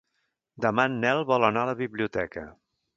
Demà en Nel vol anar a la biblioteca.